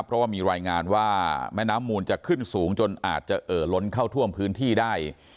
เพราะว่ามีรายงานว่าแม่น้ำมูลจะขึ้นสูงจนอาจจะเอ่อล้นเข้าท่วมพื้นที่ได้